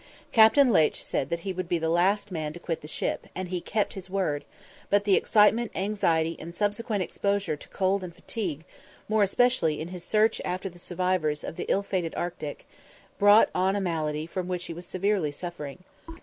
Captain Leitch said that he would be the last man to quit the ship, and he kept his word; but the excitement, anxiety, and subsequent exposure to cold and fatigue, more especially in his search after the survivors of the ill fated Arctic, brought on a malady from which he was severely suffering.